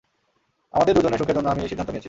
আমাদের দুজনের সুখের জন্য আমি এই সিদ্ধান্ত নিয়েছি।